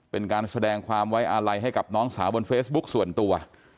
เป็นการแสดงความไว้อาลัยให้กับน้องสาวบนเฟซบุ๊กส่วนตัว